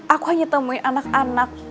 aku hanya temui anak anak